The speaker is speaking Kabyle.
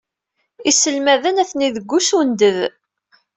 Iselmaden atni deg usunded.